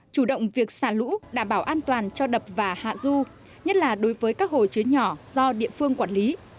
chủ động việc xả lũ đảm bảo an toàn cho đập và hạ du nhất là đối với các hồ chứa nhỏ do địa phương quản lý